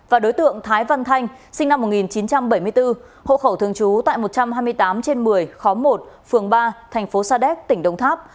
và đối tượng thái văn thanh sinh năm một nghìn chín trăm bảy mươi bốn hộ khẩu thường trú tại một trăm hai mươi tám trên một mươi khóm một phường ba thành phố sa đéc tỉnh đồng tháp